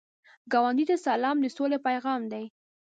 ګاونډي ته سلام، د سولې پیغام دی